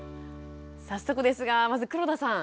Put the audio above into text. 早速ですがまず黒田さん。